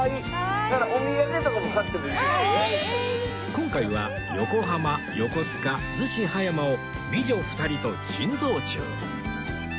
今回は横浜横須賀逗子・葉山を美女２人と珍道中